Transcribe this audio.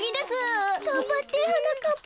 がんばってはなかっぱ。